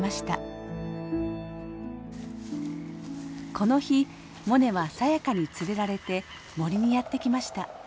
この日モネはサヤカに連れられて森にやって来ました。